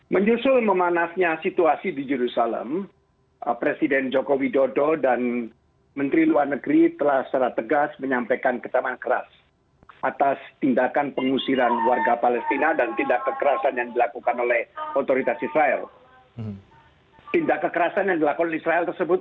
menyusul memanasnya situasi di jerusalem presiden joko widodo dan menteri luar negeri telah secara tegas menyampaikan ketaman keras atas tindakan pengusiran warga palestina dan tindak kekerasan yang dilakukan oleh otoritas israel